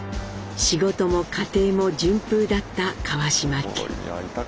仕事も家庭も順風だった川島家。